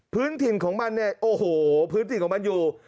พื้นถิ่นของมันเนี่ยโอ้โหพื้นถิ่นของมันอยู่